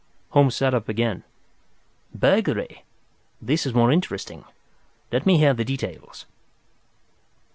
Holmes sat up again. "Burglary! This is more interesting. Let me hear the details."